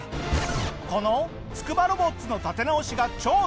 このつくばロボッツの立て直しが超大変！